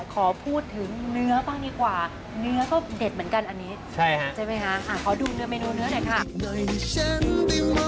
ขอพูดถึงเนื้อบ้างดีกว่า